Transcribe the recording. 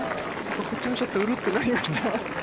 こっちもちょっとうるっとしました。